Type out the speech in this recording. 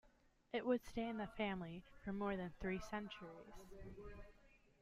It would stay in the family for more than three centuries.